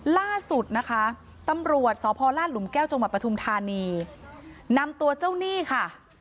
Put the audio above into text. ล่าสุดนะคะตำรวจสพลาดหลุมแก้วจังหวัดปทุมธานีนำตัวเจ้าหนี้ค่ะ